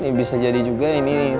ya bisa jadi juga ini